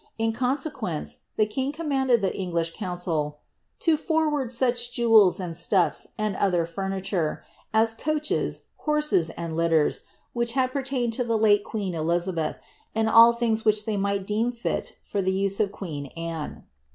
In consequence, i^e iiig commanded the English coirncil to forward such jewels ar. Ll slulis, and other furniture, as coaches, horses, and litters, wliicli h.iil pt : lained to the late queen Elizabeth. and all thini^s which thev nii^hi c« ::'^ fit for the use of queen .Anne."